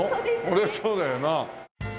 そりゃそうだよな。